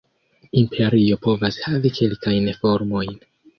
Imperio povas havi kelkajn formojn.